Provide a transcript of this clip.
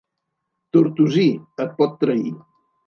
Tortosí, et pot trair.